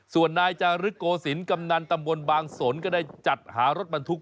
ส่วนนายจารึกโกศิลป์กำนันตำบลบางสนก็ได้จัดหารถบรรทุก